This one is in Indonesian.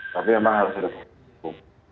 tapi memang harus ada keperluan